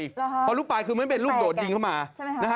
เพราะลูกปลายคือมันไม่เป็นลูกโดดยิงเข้ามา